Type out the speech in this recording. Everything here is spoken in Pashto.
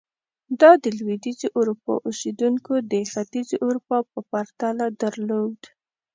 دا د لوېدیځې اروپا اوسېدونکو د ختیځې اروپا په پرتله درلود.